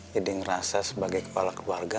ngerasa sebagai kepala keluarga